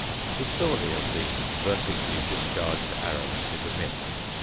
The story of the vertically discharged arrows is a myth.